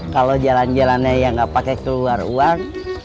kalau jalan jalannya ya nggak pakai keluar uang